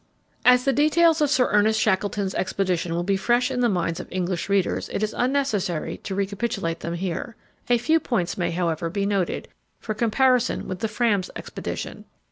As the details of Sir Ernest Shackleton's expedition will be fresh in the minds of English readers, it is unnecessary to recapitulate them here. A few points may, however, be noted, for comparison with the Fram's expedition.